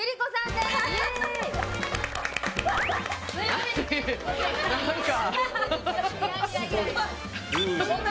何か。